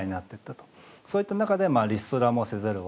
そういった中でリストラもせざるをえない。